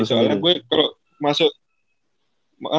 soalnya gue kalau masuk